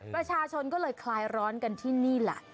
ประชาชนก็เลยคลายร้อนกันที่นี่แหละ